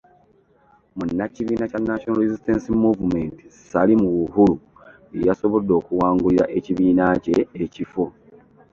Munnakibiina kya National Resisitance Movement, Salim Uhuru, y'eyasobodde okuwangulira ekibiina kye ekifo